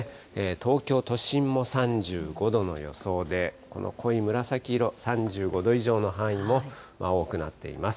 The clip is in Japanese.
東京都心も３５度の予想で、この濃い紫色、３５度以上の範囲も多くなっています。